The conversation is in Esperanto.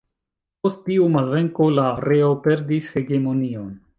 Post tiu malvenko la areo perdis hegemonion.